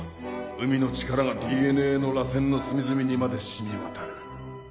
海の力がＤＮＡのらせんの隅々にまで染み渡る。